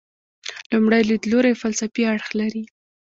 لومړی لیدلوری فلسفي اړخ لري.